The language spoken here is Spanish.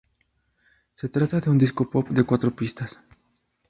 Se trata de un disco pop de cuatro pistas.